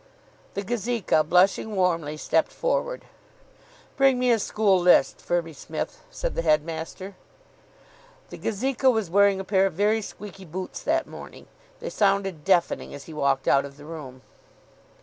The Gazeka, blushing warmly, stepped forward. "Bring me a school list, Firby Smith," said the headmaster. The Gazeka was wearing a pair of very squeaky boots that morning. They sounded deafening as he walked out of the room.